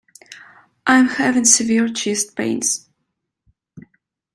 I am having severe chest pains.